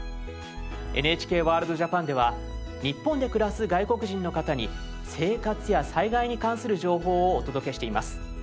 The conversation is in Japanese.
「ＮＨＫＷＯＲＬＤ−ＪＡＰＡＮ」では日本で暮らす外国人の方に生活や災害に関する情報をお届けしています。